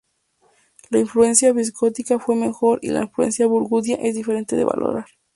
La influencia visigótica fue menor, y la influencia burgundia es difícil de valorar.